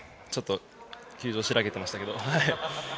球場は白けてましたけど。